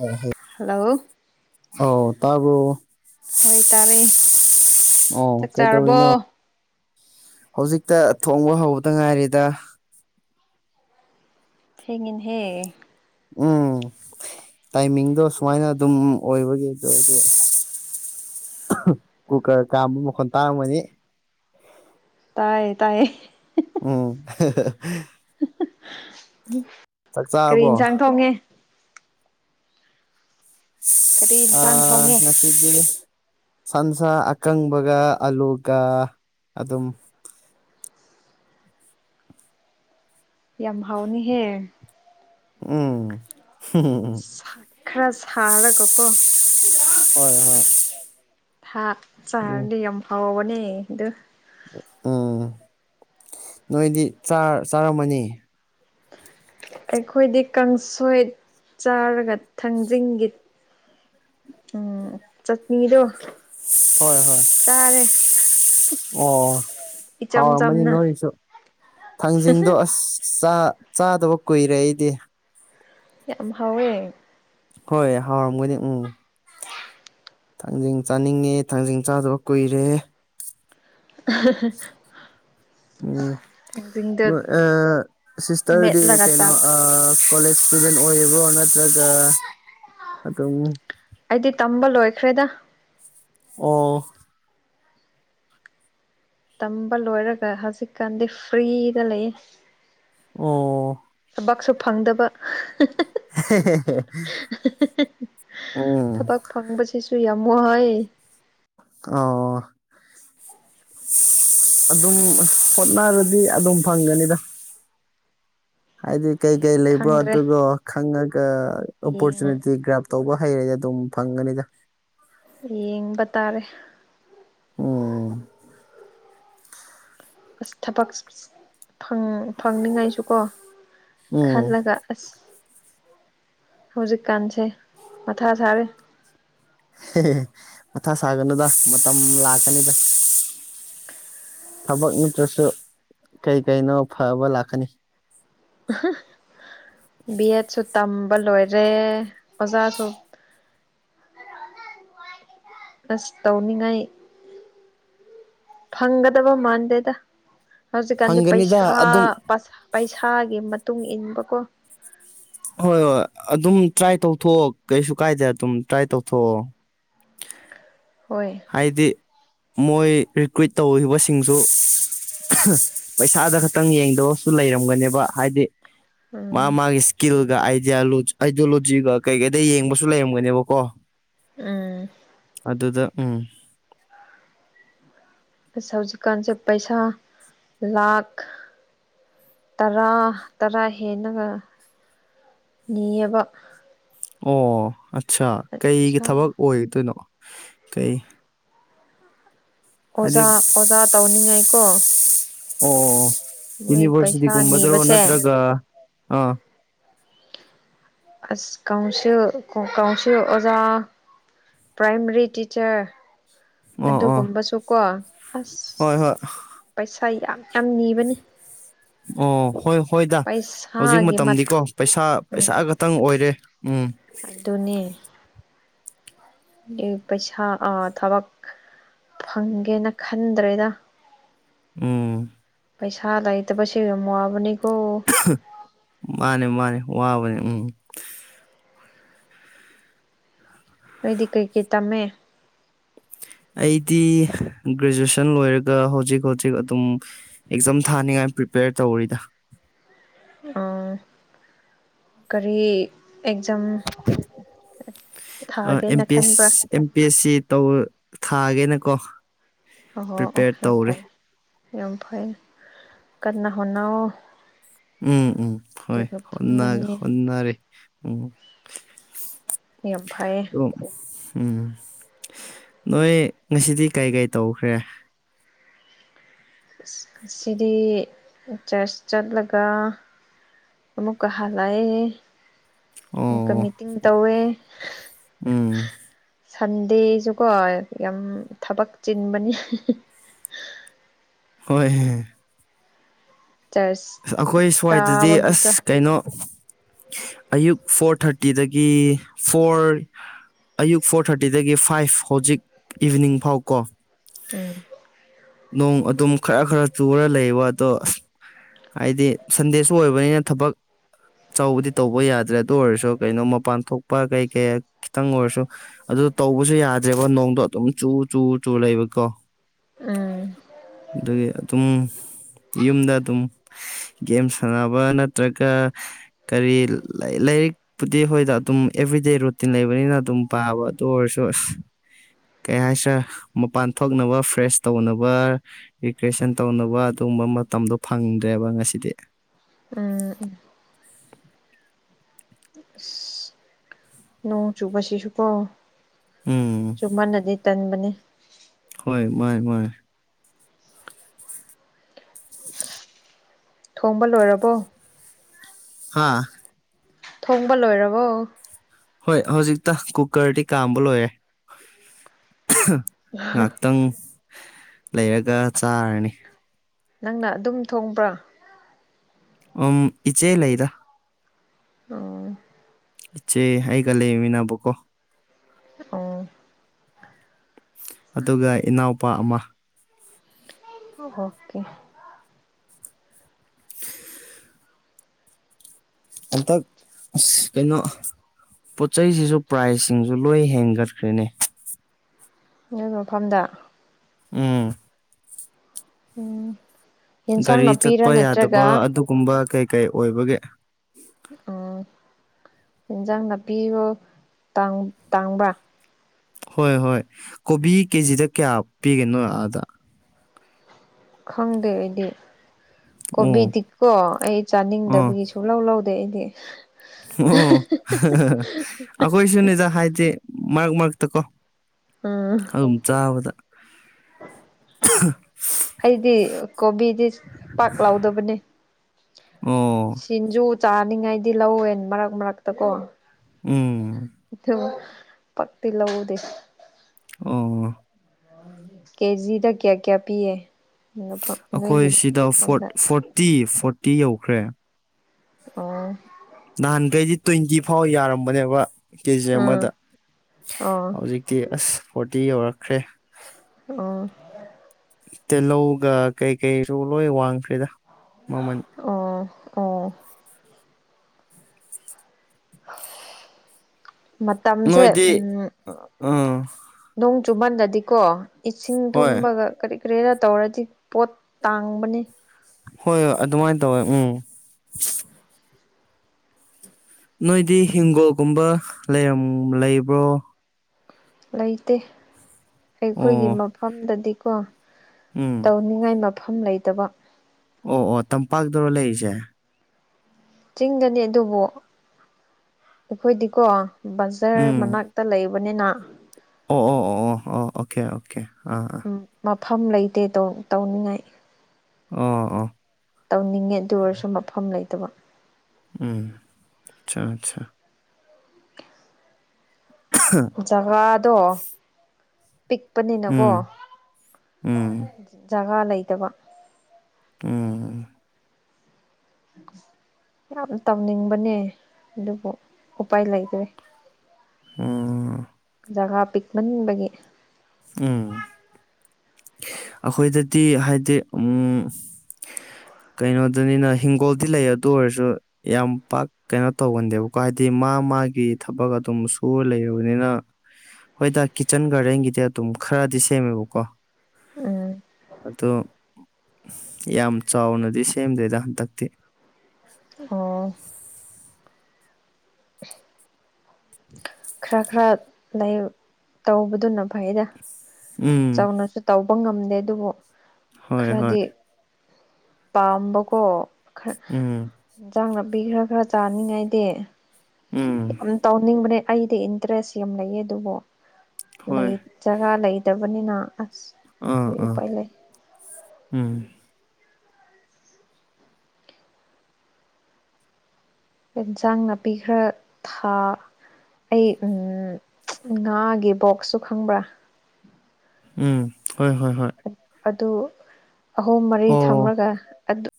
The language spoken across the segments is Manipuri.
ꯑ ꯍꯣꯏ ꯍꯜꯂꯣ ꯑꯣ ꯇꯥꯕꯔꯣ ꯍꯣꯏ ꯇꯥꯔꯦ ꯑꯣ ꯆꯥꯛ ꯆꯥꯔꯕꯣ ꯀꯩꯗꯧꯔꯤꯅꯣ ꯍꯧꯖꯤꯛꯇ ꯊꯣꯡꯕ ꯍꯧꯕꯗ ꯉꯥꯏꯔꯤꯗ ꯊꯦꯡꯌꯦꯅꯦ ꯎꯝ ꯇꯥꯏꯃꯤꯡꯗꯣ ꯁꯨꯃꯥꯏꯅ ꯑꯗꯨꯝ ꯑꯣꯏꯕꯒꯤ ꯑꯗꯥꯑꯗꯥ ꯀꯨꯀꯔ ꯀꯥꯝꯕ ꯃꯈꯣꯟ ꯇꯥꯡꯔꯝꯒꯅꯤ ꯇꯥꯏꯌꯦ ꯇꯥꯏꯌꯦ ꯎꯝ [inaudible] ꯆꯥꯛ ꯀꯔꯤ ꯆꯥꯔꯕꯣ ꯏꯟꯁꯥꯡ ꯊꯣꯡꯉꯦ ꯀꯔꯤ ꯑ ꯏꯟꯁꯥꯡ ꯊꯣꯡꯉꯦ ꯉꯁꯤꯕꯤ ꯁꯟꯁꯥ ꯑꯀꯪꯕꯒ ꯑꯂꯨꯒ ꯑꯗꯨꯝ ꯌꯥꯝ ꯍꯥꯎꯅꯤꯍꯦ ꯎꯝ ꯈꯔꯥ ꯁꯥꯔꯒ ꯀꯣ ꯍꯣꯏ ꯍꯣꯏ ꯊꯥꯛ ꯎꯝ ꯆꯥꯔꯗꯤ ꯌꯥꯝ ꯍꯥꯎꯕꯅꯦ ꯑꯗꯨ ꯎꯝ ꯅꯣꯏꯗꯤ ꯆꯥꯔ ꯆꯥꯔꯝꯃꯅꯤ ꯑꯩꯈꯣꯏꯗꯤ ꯀꯥꯡꯁꯣꯏ ꯆꯥꯔꯒ ꯊꯥꯡꯖꯤꯡꯒꯤ ꯎꯝ ꯆꯠꯅꯤꯗꯣ ꯍꯣꯏ ꯆꯥꯔꯦ ꯍꯣꯏ ꯑꯣ ꯏꯆꯝ ꯍꯥꯎꯔꯝꯃꯅꯤ ꯆꯝꯅ ꯅꯣꯏꯁꯨ ꯊꯥꯡꯖꯤꯡꯗꯣ ꯑꯁ ꯆ ꯆꯥꯗꯕ ꯀꯨꯏꯔꯦ ꯑꯩꯗꯤ ꯌꯥꯝ ꯍꯥꯎꯋꯦ ꯍꯣꯏ ꯍꯥꯎꯔꯝꯒꯅꯤ ꯎꯝ ꯊꯥꯡꯖꯤꯡ ꯆꯥꯅꯤꯡꯉꯦ ꯊꯥꯡꯖꯤꯡ ꯆꯥꯗꯕ ꯀꯨꯏꯔꯦ [unintelligible] ꯎꯝ ꯊꯥꯡꯖꯤꯡꯗꯣ ꯅꯣꯏ ꯁꯤꯁꯇꯔꯗꯤ ꯃꯦꯠꯂꯒ ꯀꯩꯅꯣ ꯆꯥꯕꯗꯣ ꯀꯣꯂꯦꯖ ꯢꯁꯇꯨꯗꯦꯟ ꯑꯣꯏꯔꯤꯕꯣ ꯅꯠꯇ꯭ꯔꯒ ꯑꯗꯨꯝ ꯑꯩꯗꯤ ꯇꯝꯕ ꯂꯣꯏꯈ꯭ꯔꯦꯗ ꯑꯣ ꯇꯝꯕ ꯂꯣꯏꯔꯒ ꯍꯧꯖꯤꯛꯀꯥꯟꯗꯤ ꯐ꯭ꯔꯤꯗ ꯂꯩ ꯑꯣ ꯊꯕꯛꯁꯨ ꯐꯪꯗꯕ ꯎꯝ ꯊꯕꯛ ꯐꯪꯕꯁꯤꯁꯨ ꯌꯥꯝ ꯋꯥꯥꯢ ꯑꯣ ꯑꯗꯨꯝ ꯍꯣꯠꯅꯔꯗꯤ ꯑꯗꯨꯝ ꯐꯪꯒꯅꯤꯗ ꯍꯥꯏꯗꯤ ꯀꯩ ꯀꯩ ꯂꯩꯕ꯭ꯔꯣ ꯈꯪꯗ꯭ꯔꯦ ꯑꯗꯨꯗꯣ ꯈꯪꯉꯒ ꯌꯦꯡ ꯑꯣꯄꯣꯔꯆꯨꯅꯤꯇꯤ ꯒ꯭ꯔꯥꯞ ꯇꯧꯕ ꯍꯩꯔꯦꯗ ꯑꯗꯨꯝ ꯐꯪꯒꯅꯤꯗ ꯌꯦꯡꯕ ꯇꯥꯔꯦ ꯑꯣ ꯑꯁ ꯊꯕꯛ ꯐꯪꯅꯤꯡꯉꯥꯏꯁꯨ ꯀꯣ ꯎꯝ ꯈꯜꯂꯒ ꯑꯁ ꯍꯧꯖꯤꯛꯀꯥꯟꯁꯦ ꯃꯊꯥ ꯁꯔꯦ ꯑꯦ ꯃꯊ ꯁꯥꯒꯅꯨꯗ ꯃꯇꯝ ꯂꯥꯛꯀꯅꯤꯗ ꯊꯕꯛ ꯅꯠꯇ꯭ꯔꯁꯨ ꯀꯩ ꯀꯩꯅꯣ ꯐꯕ ꯂꯥꯛꯀꯅꯤ ꯕꯤ ꯑꯦꯠꯁꯨ ꯇꯝꯕ ꯂꯣꯏꯔꯦ ꯑꯣꯖꯥꯁꯨ ꯑꯁ ꯇꯧꯅꯤꯉꯥꯏ ꯐꯪꯒꯗꯕ ꯃꯥꯟꯗꯦꯗ ꯍꯧꯖꯤꯛꯀꯥꯟꯗꯤ ꯐꯪꯒꯅꯤꯗ ꯄꯩꯁꯥ ꯑꯗꯨꯝ ꯄꯩꯁꯥꯒꯤ ꯃꯇꯨꯡ ꯏꯟꯕꯀꯣ ꯍꯣꯏ ꯍꯣꯏ ꯑꯗꯨꯝ ꯇ꯭ꯔꯥꯏ ꯇꯧꯊꯣꯛꯑꯣ ꯀꯩꯁꯨ ꯀꯥꯏꯗ ꯑꯗꯨꯝ ꯇ꯭ꯔꯥꯏ ꯇꯧꯊꯣꯛꯑꯣ ꯍꯣꯏ ꯍꯥꯏꯗꯤ ꯃꯣꯏ ꯔꯤꯀ꯭ꯔꯨꯏꯠ ꯇꯧꯈꯤꯕꯁꯤꯡꯁꯨ ꯄꯩꯁꯥꯗ ꯈꯛꯇꯪ ꯌꯦꯡꯗꯑꯁꯨ ꯂꯩꯔꯝꯒꯅꯦꯕ ꯍꯥꯏꯗꯤ ꯃꯥ ꯎꯝ ꯃꯥꯒꯤ ꯁꯀꯤꯜꯒ ꯑꯥꯏꯗꯤꯌꯣꯂꯣꯖꯤꯒ ꯀꯩꯀꯩꯗ ꯌꯦꯡꯕꯁꯨ ꯂꯩꯔꯝꯒꯅꯦꯕ ꯀꯣ ꯎꯝ ꯑꯗꯨꯗ ꯎꯝ ꯑ ꯍꯧꯖꯤꯛꯀꯥꯟꯁꯦ ꯄꯩꯁꯥ ꯂꯥꯈ ꯇꯔꯥ ꯇꯔꯥ ꯍꯦꯟꯅꯒ ꯅꯤꯑꯕ ꯑꯣ ꯑꯠꯆꯥꯥ ꯀꯩꯒꯤ ꯄꯩꯁꯥ ꯊꯕꯛ ꯑꯣꯏꯗꯣꯏꯅꯣ ꯀꯩ ꯍꯥꯏꯗꯤ ꯑꯣꯖꯥ ꯑꯣꯖꯥ ꯇꯧꯅꯤꯡꯉꯥꯏ ꯀꯣ ꯑꯣ ꯄꯩꯁꯥ ꯌꯨꯅꯤꯕꯔꯁꯤꯇꯤꯒꯨꯝꯕꯗ꯭ꯔꯣ ꯅꯤꯕꯁꯦ ꯅꯠꯇ꯭ꯔꯒ ꯑ ꯑꯁ ꯀꯥꯎꯁꯨ ꯀꯥꯎꯁꯨ ꯑꯣꯖꯥ ꯄ꯭ꯔꯥꯏꯃꯔꯤ ꯇꯤꯆꯔ ꯑꯣ ꯑꯣ ꯑꯗꯨꯒꯨꯝꯕꯁꯨ ꯀꯣ ꯑꯁ ꯍꯣꯏ ꯍꯣꯏ ꯄꯩꯁꯥ ꯌꯥꯝ ꯌꯥꯝ ꯅꯤꯕꯅꯤ ꯑꯣ ꯍꯣꯏ ꯍꯣꯏꯗ ꯍꯧꯖꯤꯛ ꯄꯩꯁꯥꯒꯤ ꯃꯠ ꯃꯇꯝꯗꯤꯀꯣ ꯄꯩꯁꯥ ꯎꯝ ꯄꯩꯁꯥꯒ ꯈꯈꯤꯇꯪ ꯑꯣꯏꯔꯦ ꯎꯝ ꯑꯗꯨꯅꯦ ꯄꯩꯁꯥ ꯑ ꯊꯕꯛ ꯐꯪꯒꯦꯅ ꯈꯟꯗ꯭ꯔꯦꯗ ꯎꯝ ꯄꯩꯁꯥ ꯂꯩꯇꯕ ꯃꯕꯅꯤꯀꯣ ꯃꯥꯅꯦ ꯃꯥꯅꯦ ꯋꯥꯕꯅꯤ ꯎꯝ ꯅꯣꯏꯗꯤ ꯀꯩꯀꯩ ꯇꯝꯃꯦ ꯑꯩꯗꯤ ꯒ꯭ꯔꯦꯖꯨꯑꯦꯁꯟ ꯂꯣꯏꯔꯒ ꯍꯧꯖꯤꯛ ꯍꯧꯖꯤꯛ ꯑꯗꯨꯝ ꯑꯦꯛꯖꯥꯝ ꯊꯥꯅꯤꯡꯉꯥꯏ ꯄ꯭ꯔꯤꯄꯦꯌꯔ ꯇꯧꯔꯤꯗ ꯑ ꯀꯔꯤ ꯑꯦꯛꯖꯥꯝ ꯑꯦꯝ ꯊꯥꯒꯦꯅ ꯄꯤ ꯈꯟꯕ꯭ꯔꯥ ꯑꯦꯁ ꯑꯦꯝ ꯄꯤ ꯑꯦꯁ ꯁꯤ ꯇꯧ ꯊꯥꯒꯦꯅ ꯀꯣ ꯑꯣꯍ ꯑꯣꯍ ꯑ ꯐ ꯑꯝ ꯐꯩ ꯀꯥꯟꯅꯥ ꯍꯣꯅ ꯎꯝ ꯎꯝ ꯍ ꯍ ꯍꯟꯅꯔꯦ ꯎꯝ ꯌꯥꯝꯐꯥꯏ ꯎꯝ ꯅꯣꯏ ꯉꯁꯤꯗꯤ ꯀꯩ ꯀꯩ ꯇꯧꯈ꯭ꯔꯦ ꯑ ꯑꯁꯤꯗꯤ ꯆꯔꯆ ꯆꯠꯂꯒ ꯑꯃ ꯃꯨꯛꯀ ꯍꯥꯂꯥꯏ ꯑꯃꯨꯛꯀ ꯑꯣ ꯃꯤꯇꯤꯡ ꯇꯧꯋꯦ ꯎꯝ ꯁꯟꯗꯦꯁꯨꯀꯣ ꯌꯥꯝ ꯊꯕꯛ ꯆꯤꯟꯕꯅꯤ ꯍꯣꯏꯍꯣꯏ ꯆꯔꯆ ꯑꯩꯈꯣꯏ ꯁ꯭ꯋꯥꯏꯗꯗꯤ ꯀꯥꯕꯒꯤꯀꯣ ꯑꯁ ꯀꯩꯅꯣ ꯑꯌꯨꯛ ꯐꯣꯔ ꯊꯥꯔꯇꯤꯗꯒꯤ ꯐꯣꯔ ꯑꯌꯨꯛ ꯐꯣꯔ ꯊꯥꯔꯇꯤꯗꯒꯤ ꯐꯥꯏꯚ ꯍꯧꯖꯤꯛ ꯏꯚꯤꯅꯤꯡ ꯐꯥꯎ ꯀꯣ ꯎꯝ ꯅꯣꯡ ꯑꯗꯨꯝ ꯈꯔ ꯈꯔ ꯆꯨꯔ ꯂꯩꯕ ꯑꯗꯣ ꯑꯁ ꯍꯥꯏꯗꯤ ꯁꯟꯗꯦꯁꯨ ꯑꯣꯏꯕꯅꯤꯅ ꯊꯕꯛ ꯆꯥꯎꯕꯗꯤ ꯇꯧꯕ ꯌꯥꯗ꯭ꯔꯦ ꯑꯗꯨ ꯑꯣꯏꯔꯁꯨ ꯀꯩꯅꯣ ꯃꯄꯥꯟ ꯊꯣꯛ ꯄꯄ ꯀꯩ ꯀꯩ ꯈꯤꯇꯪ ꯑꯣꯏꯔꯁꯨ ꯑꯗꯨ ꯇꯧꯕꯁꯨ ꯌꯥꯗ꯭ꯔꯦꯕ ꯅꯣꯡꯗꯣ ꯑꯗꯨꯝ ꯆꯨ ꯆꯨ ꯆꯨ ꯂꯩꯕꯀꯣ ꯎꯝ ꯑꯗꯒꯤ ꯑꯗꯨꯝ ꯌꯨꯝꯗ ꯗꯨꯝ ꯒꯦꯝ ꯁꯥꯟꯅꯕ ꯅꯠꯇ꯭ꯔꯒ ꯀꯔꯤ ꯂꯥꯏꯔꯤꯛ ꯄꯨꯕꯨꯗꯤ ꯑꯩꯈꯣꯏꯗ ꯑꯗꯨꯝ ꯑꯦꯚ꯭ꯔꯤꯗꯦ ꯔꯨꯇꯤꯟ ꯂꯩꯕꯅꯤꯅ ꯑꯗꯨꯝ ꯄꯥꯕ ꯑꯗꯨ ꯑꯣꯏꯔꯁꯨ ꯀꯩ ꯍꯥꯏꯁꯦ ꯃꯄꯥꯟ ꯊꯣꯛꯅꯕ ꯐ꯭ꯔꯦꯁ ꯇꯧꯅꯕ ꯔꯤꯀ꯭꯭ꯔꯦꯁꯟ ꯇꯧꯅꯕ ꯑꯗꯨꯒꯨꯝꯕ ꯃꯇꯝꯗꯣ ꯐꯪꯗ꯭ꯔꯦꯕ ꯉꯁꯤꯗꯤ ꯎꯝ ꯎꯝ [inaudible] ꯅꯣꯡ ꯆꯨꯕꯁꯤꯁꯨꯀꯣ ꯎꯝ ꯆꯨꯝꯃꯅꯗꯤ ꯇꯟꯕꯅꯤ ꯍꯣꯏ ꯍꯣꯏ ꯍꯣꯏ ꯊꯣꯡꯕ ꯂꯣꯏꯔꯕꯣ ꯍꯥ ꯊꯣꯡꯕ ꯂꯣꯏꯔꯕꯣ ꯍꯣꯏ ꯍꯧꯖꯤꯛꯇ ꯀꯨꯀꯔꯗꯤ ꯀꯥꯝꯕ ꯂꯣꯏꯔꯦ ꯉꯥꯏꯍꯥꯛꯇꯪ ꯂꯩꯔꯒ ꯆꯥꯔꯅꯤ ꯅꯪꯅ ꯑꯗꯨꯝ ꯊꯣꯡꯕ꯭ꯔꯥ ꯑ ꯏꯆꯦ ꯂꯩꯗ ꯑꯣ ꯏꯆꯦꯒꯥ ꯑꯩꯒꯥ ꯂꯩꯃꯤꯅꯥꯕꯀꯣ ꯑꯣ ꯑꯗꯨꯒ ꯏꯅꯥꯎꯄꯥ ꯑꯃ ꯑꯣꯀꯦ ꯍꯟꯗꯛ ꯀꯩꯅꯣ ꯄꯣꯠꯆꯩꯁꯤꯁꯨ ꯄ꯭ꯔꯥꯏꯖꯁꯤꯡꯁꯨ ꯂꯣꯏ ꯍꯦꯟꯒꯠꯈ꯭ꯔꯦꯅꯦ ꯅꯣꯏ ꯃꯐꯝꯗ ꯎꯝ ꯎꯝ ꯌꯦꯟꯁꯥꯡ ꯅꯥꯄꯤꯔꯥ ꯅꯠꯇ꯭ꯔꯒ ꯀꯨꯝꯕ ꯀꯩ ꯀꯩ ꯑꯣꯏꯕꯒꯤ ꯎꯝ ꯏꯟꯖꯥꯡ ꯅꯥꯄꯤꯔꯣ ꯇꯥꯡꯕ ꯍꯣꯏ ꯍꯣꯏ ꯀꯣꯕꯤ ꯀꯦꯖꯤꯗ ꯀꯌꯥ ꯄꯤꯔꯤꯅꯣ ꯑꯥꯗ ꯈꯪꯗꯦ ꯑꯩꯗꯤ ꯑꯣ ꯀꯣꯕꯤꯗꯤꯀꯣ ꯑꯩ ꯑꯣ ꯆꯥꯅꯤꯡꯗꯕꯒꯤꯁꯨ ꯁꯨꯛ ꯂꯧ ꯂꯧꯗꯦ ꯑꯩꯗꯤ ꯑꯣ ꯑꯩꯈꯣꯏꯁꯨꯅꯤꯗ ꯍꯥꯏꯗꯤ ꯃꯔꯛ ꯃꯔꯛꯇ ꯀꯣ ꯎꯝ ꯑꯗꯨꯝ ꯆꯥꯕꯗ ꯑꯩꯗꯤ ꯀꯣꯕꯤꯗꯤ ꯄꯥꯛ ꯂꯥꯎꯗꯕꯅꯦ ꯑꯣ ꯁꯤꯡꯖꯨ ꯆꯥꯅꯤꯡꯉꯥꯏꯗꯤ ꯂꯧꯋꯦ ꯃꯔꯛ ꯃꯔꯛꯇ ꯀꯣ ꯎꯝ ꯄꯛꯇꯤ ꯂꯧꯗꯦ ꯑꯣ ꯀꯦꯖꯤꯗ ꯀꯌꯥ ꯀꯌꯥ ꯄꯤꯒꯦ ꯑꯩꯈꯣꯏ ꯁꯤꯗ ꯐꯣꯔꯇꯤ ꯐꯣꯔꯇꯤ ꯌꯧꯈ꯭ꯔꯦ ꯑꯣ ꯅꯍꯥꯟꯈꯩꯗꯤ ꯇ꯭ꯋꯦꯟꯇꯤ ꯐꯥꯎ ꯌꯥꯔꯝꯕꯅꯦꯕ ꯀꯦꯖꯤ ꯎꯝ ꯑꯃꯗ ꯑꯣ ꯍꯧꯖꯤꯛ ꯇꯤ ꯑꯦꯁ ꯐꯣꯔꯇꯤ ꯌꯧꯔꯛꯈ꯭ꯔꯦ ꯑꯣ ꯇꯤꯜꯍꯧꯒ ꯀꯩ ꯀꯩꯁꯨ ꯂꯣꯏ ꯋꯥꯡ ꯑꯣ ꯑꯣ [inaudible] ꯃꯇꯝꯁꯦ ꯅꯣꯏꯗꯤ ꯎꯝ ꯑꯥ ꯅꯣꯡ ꯆꯨꯃꯟꯗꯗꯤꯀꯣ ꯏꯁꯤꯡ ꯍꯣꯏ ꯊꯨꯝꯕꯒ ꯀꯔꯤ ꯀꯔꯤꯗ ꯇꯧꯔꯗꯤ ꯄꯣꯠ ꯇꯥꯡꯕꯅꯤ ꯍꯣꯏ ꯍꯣꯏ ꯑꯗꯨꯃꯥꯏꯅ ꯇꯧꯋꯦ ꯎꯝ ꯅꯣꯏꯗꯤ ꯍꯤꯡꯒꯣꯜꯒꯨꯝꯕ ꯂꯩꯔꯝ ꯂꯩꯕ꯭ꯔꯣ ꯂꯩꯇꯦ ꯑꯩꯈꯣꯏꯒꯤ ꯑꯣ ꯃꯐꯝꯗꯗꯤꯀꯣ ꯎꯝ ꯇꯧꯅꯤꯡꯉꯥꯏ ꯃꯐꯝ ꯂꯩꯇꯕ ꯑꯣ ꯑꯣ ꯇꯝꯄꯥꯛꯇꯔꯣ ꯂꯩꯔꯤꯁꯦ ꯆꯤꯡꯒꯅꯤ ꯑꯗꯨꯕꯨ ꯑꯩꯈꯣꯏꯗꯤꯀꯣ ꯕꯖꯥꯔ ꯎꯝ ꯃꯅꯥꯛ ꯇ ꯂꯩꯕꯅꯤꯅ ꯑꯣ ꯑꯣ ꯑꯣ ꯑꯣ ꯑꯣ ꯑꯣꯀꯦ ꯑꯣꯀꯦ ꯑꯥ ꯎꯝ ꯃꯐꯝ ꯂꯩꯇꯦ ꯇꯧꯅꯤꯡꯉꯥꯏ ꯑꯥ ꯑꯥ ꯇꯧꯅꯤꯡꯉꯦ ꯑꯗꯨ ꯑꯣꯏꯔꯁꯨ ꯃꯐꯝ ꯂꯩꯇꯕ ꯎꯝ ꯑꯆꯥꯆꯥ ꯑꯆꯥ ꯍ ꯖꯒꯥꯗꯣ ꯄꯤꯛꯄꯅꯤꯅꯀꯣ ꯎꯝ ꯎꯝ ꯖꯒꯥ ꯂꯩꯇꯕ ꯎꯥ ꯎꯝ ꯌꯥꯝ ꯇꯧꯅꯤꯡꯕꯅꯦ ꯑꯗꯨꯕꯨ ꯎꯄꯥꯏ ꯂꯩꯇ꯭ꯔꯦ ꯑꯣ ꯖꯒꯥ ꯄꯤꯛꯃꯟꯕꯒꯤ ꯑꯥ ꯑꯩꯈꯣꯏꯗꯗꯤ ꯍꯥꯏꯗꯤ ꯎꯝ ꯀꯩꯅꯣꯗꯅꯤꯅ ꯍꯤꯡꯒꯣꯜꯗꯤ ꯂꯩ ꯑꯗꯨ ꯑꯣꯏꯔꯁꯨ ꯌꯥꯝ ꯄꯥꯛ ꯀꯩꯅꯣ ꯇꯧꯒꯟꯗꯦꯕꯀꯣ ꯍꯥꯏꯗꯤ ꯃꯥ ꯃꯥꯒꯤ ꯊꯕꯛ ꯑꯗꯨꯝ ꯁ ꯂꯩꯔꯕꯅꯤꯅ ꯍꯣꯏꯗ ꯀꯤꯠꯆꯟ ꯒꯥꯔꯗꯦꯟꯒꯤꯗꯤ ꯑꯗꯨꯝ ꯈꯔꯗꯤ ꯁꯦꯝꯃꯦꯕꯀꯣ ꯎꯝ ꯑꯗꯣ ꯌꯥꯝ ꯆꯥꯎꯅꯗꯤ ꯁꯦꯝꯗꯣꯏꯗ ꯍꯟꯗꯛꯇꯤ ꯑꯣ ꯎꯝ ꯈꯔ ꯈꯔ ꯂꯩ ꯇꯧꯕꯗꯨꯅ ꯐꯩꯗ ꯎꯝ ꯆꯥꯎꯅꯁꯨ ꯇꯧꯕ ꯉꯝꯗꯦ ꯑꯗꯨꯕꯨ ꯍꯣꯏ ꯍꯣꯏ ꯈꯔꯗꯤ ꯄꯥꯝꯕꯀꯣ ꯈꯔ ꯎꯝ ꯏꯟꯁꯥꯡ ꯅꯥꯄꯤ ꯈꯔ ꯈꯔ ꯆꯥꯅꯤꯡꯉꯥꯏꯗꯤ ꯎꯝ ꯇꯧꯅꯤꯡꯕꯅꯦ ꯑꯩꯗꯤ ꯏꯟꯇꯔꯦꯁ ꯌꯥꯝ ꯂꯩꯌꯦ ꯑꯗꯨꯕꯨ ꯍꯣꯏ ꯂꯩ ꯖꯒꯥ ꯂꯩꯇꯕꯅꯤꯅ ꯑꯁ ꯑꯥ ꯀꯔꯤ ꯑꯥ ꯎꯄꯥꯏ ꯂꯩ ꯎꯝ ꯏꯟꯁꯥꯡ ꯅꯥꯄꯤꯈꯔ ꯊꯥ ꯑꯩ ꯉꯥꯒꯤ ꯕꯣꯛꯁꯁꯨ ꯈꯪꯕ꯭ꯔꯥ ꯎꯝ ꯍꯣꯏ ꯍꯣꯏ ꯍꯣꯏ ꯑꯗꯨ ꯑꯍꯨꯝ ꯃꯔꯤ ꯊꯝꯂꯒ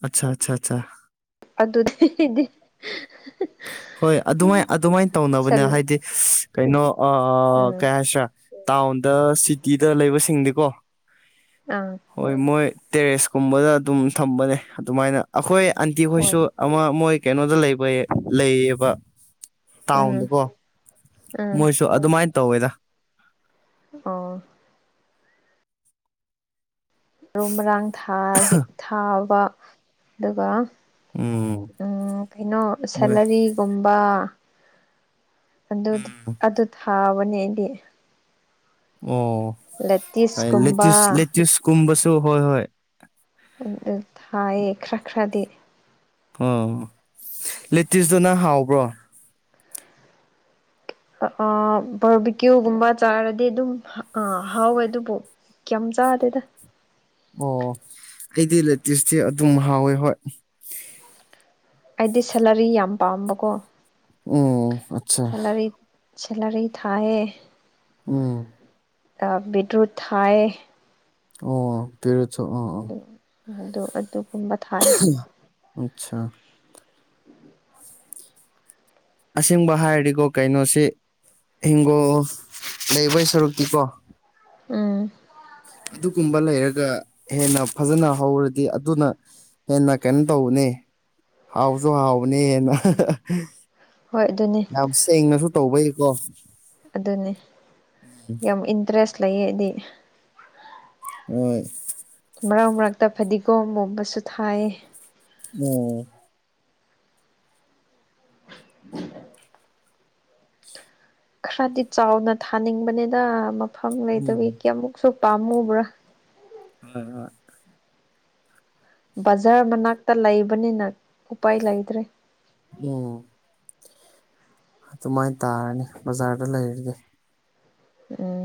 ꯑꯆꯥ ꯑꯆꯥ ꯑꯆꯥ ꯑꯗꯨꯗꯤꯗꯤ ꯍꯣꯏ ꯑꯗꯨꯃꯥꯏ ꯑꯗꯨꯃꯥꯏꯅ ꯇꯧꯅꯕꯅꯦ ꯍꯥꯏꯗꯤ ꯀꯩꯅꯣ ꯎꯝ ꯀꯩ ꯍꯥꯏꯁꯔꯥ ꯇꯥꯎꯟꯗ ꯁꯤꯇꯤꯗ ꯂꯩꯕꯁꯤꯡꯗꯤꯀꯣ ꯑꯥ ꯍꯣꯏ ꯃꯣꯏ ꯇꯦꯔꯦꯁꯀꯨꯝꯕꯗ ꯑꯗꯨꯝ ꯊꯝꯕꯅꯦ ꯑꯗꯨꯃꯥꯏꯅ ꯑꯩꯈꯣꯏ ꯑꯟꯇꯤ ꯍꯣꯏ ꯈꯣꯏꯁꯨ ꯑꯃ ꯃꯣꯏ ꯀꯩꯅꯣꯗ ꯂꯩꯕ ꯂꯩꯌꯦꯕ ꯎꯝ ꯇꯥꯎꯟꯗꯀꯣ ꯎꯝ ꯃꯣꯏꯁꯨ ꯑꯗꯨꯃꯥꯏꯅ ꯇꯧꯋꯦꯗ ꯑꯣ ꯃꯔꯨ ꯃꯔꯥꯡ ꯊꯥ ꯊꯥꯕ ꯑꯗꯨꯒ ꯎꯝ ꯑꯝ ꯀꯩꯅꯣ ꯍꯣꯏ ꯁꯦꯂꯔꯤꯒꯨꯝꯕ ꯑꯗꯨ ꯎꯝ ꯑꯗꯨ ꯊꯥꯕꯅꯦꯗꯤ ꯑꯣ ꯍ ꯂꯦꯇ ꯂꯦꯇꯤꯁꯀꯨꯝꯕ ꯂꯦꯇꯁꯀꯨꯝꯕꯁꯨ ꯍꯣꯏ ꯍꯣꯏ ꯑꯗꯨ ꯊꯥꯏꯌꯦ ꯈꯔ ꯈꯔꯗꯤ ꯑꯣ ꯂꯦꯇꯤꯁꯇꯣꯅꯪ ꯍꯥꯎꯕ꯭ꯔꯣ ꯑ ꯕꯔꯕꯤꯀ꯭ꯌꯨꯒꯨꯝꯕ ꯆꯥꯔꯗꯤ ꯑꯗꯨꯝ ꯑ ꯍꯥꯎꯋꯦ ꯑꯗꯨꯕꯨ ꯀꯝ ꯆꯥꯗꯦꯗ ꯑꯣ ꯑꯩꯗꯤ ꯂꯦꯇꯦꯁꯇꯤ ꯑꯗꯨꯝ ꯍꯥꯎꯋꯦ ꯍꯣꯏ ꯑꯩꯗꯤ ꯁꯦꯂꯔꯤ ꯌꯥꯝ ꯄꯥꯝꯕꯀꯣ ꯎꯝ ꯑꯆꯥ ꯁꯦꯂꯔꯤ ꯁꯦꯂꯔꯤ ꯊꯥꯢꯌꯦ ꯎꯝ ꯕꯤꯠ ꯔꯨꯠ ꯊꯥꯏꯌꯦ ꯑꯣ ꯕꯤꯠ ꯔꯨꯠ ꯁꯨ ꯑꯥ ꯑꯗꯨ ꯑꯗꯨꯒꯨꯝꯕ ꯊꯥꯏ ꯑꯆꯥ ꯑꯁꯦꯡꯕ ꯍꯥꯏꯔꯗꯤꯀꯣ ꯀꯩꯅꯣꯁꯤ ꯍꯤꯡꯒꯣꯜ ꯂꯩꯕꯩ ꯁꯔꯨꯛꯇꯤꯀꯣ ꯎꯝ ꯑꯗꯨꯒꯨꯝꯕ ꯂꯩꯔꯒ ꯍꯦꯟꯅ ꯐꯖꯅ ꯍꯧꯔꯗꯤ ꯑꯗꯨꯅ ꯍꯦꯟꯅ ꯀꯩꯅꯣ ꯇꯧꯕꯅꯦ ꯍꯥꯎꯁꯨ ꯍꯥꯎꯅꯤ ꯍꯦꯟꯅ ꯍꯣꯏ ꯑꯗꯨꯅꯤ ꯌꯥꯝ ꯁꯦꯡꯅꯁꯨ ꯇꯧꯕꯩꯀꯣ ꯑꯗꯨꯅꯤ ꯌꯥꯝ ꯏꯟꯇꯔꯦꯁ ꯂꯩꯌꯦ ꯑꯩꯗꯤ ꯑꯝ ꯃꯔꯛ ꯃꯔꯛꯇ ꯐꯗꯤꯒꯣꯝꯒꯨꯝꯕꯁꯨ ꯊꯥꯏ ꯑꯥꯝ ꯈꯔꯗꯤ ꯆꯥꯎꯅ ꯊꯥꯅꯤꯡꯕꯅꯤꯗ ꯃꯐꯝ ꯂꯩꯇꯕꯤ ꯎꯝ ꯀꯌꯥꯃꯨꯛꯁꯨ ꯄꯥꯝꯃꯨꯕ꯭ꯔꯥ ꯍꯣꯢ ꯍꯣꯢ ꯕꯖꯥꯔ ꯃꯅꯥꯛꯇ ꯂꯩꯕꯅꯤꯅ ꯎꯄꯥꯏ ꯂꯩꯇ꯭ꯔꯦ ꯎꯝ ꯑꯗꯨꯃꯥꯏꯅ ꯇꯥꯔꯅꯤ ꯕꯖꯥꯔꯗ ꯂꯩꯔꯒꯦ ꯎꯝ